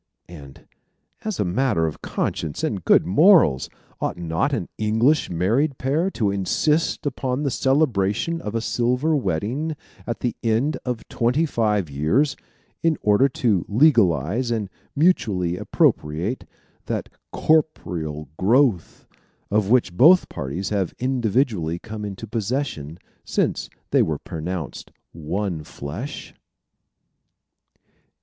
And as a matter of conscience and good morals, ought not an English married pair to insist upon the celebration of a silver wedding at the end of twenty five years in order to legalize and mutually appropriate that corporeal growth of which both parties have individually come into possession since they were pronounced one flesh?